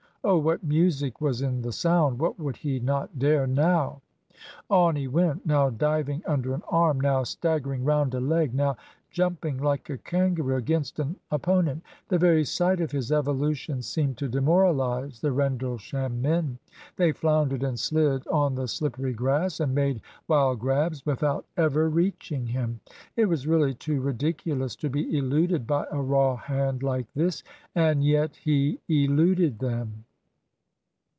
Oh, what music was in the sound! What would he not dare now! On he went, now diving under an arm, now staggering round a leg; now jumping like a kangaroo against an opponent. The very sight of his evolutions seemed to demoralise the Rendlesham men. They floundered and slid on the slippery grass, and made wild grabs without ever reaching him. It was really too ridiculous to be eluded by a raw hand like this and yet he eluded them.